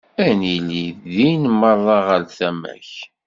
Ad nili din merra ɣer tama-k.